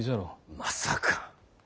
まさか。